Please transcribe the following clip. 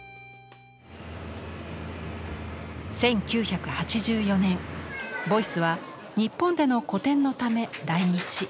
１９８４年ボイスは日本での個展のため来日。